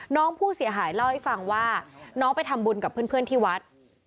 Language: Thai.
น้องผู้เสียหายเล่าให้ฟังว่าน้องไปทำบุญกับเพื่อนที่วัด